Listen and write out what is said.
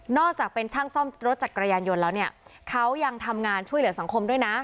จากเป็นช่างซ่อมรถจักรยานยนต์แล้วเนี่ยเขายังทำงานช่วยเหลือสังคมด้วยนะ